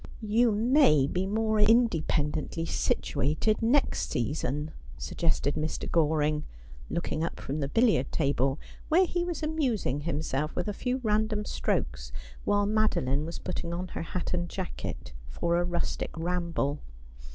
' You may be more independently situated next season,' sug gested Mr. Goring, looking up from the billiard table, where he was amusing himself with a few random stro'tes while Madoline was putting on her hat and jacket for a rustic ramble.